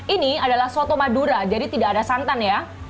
ini adalah soto madura jadi tidak ada santan ya